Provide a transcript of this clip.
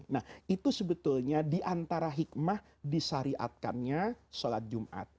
nah itu sebetulnya di antara hikmah disariatkannya sholat jumat